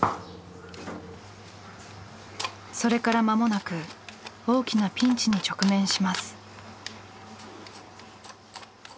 それから間もなく大きなピンチに直面します。